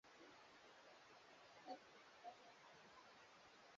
Tuna shamba kubwa sana kijijini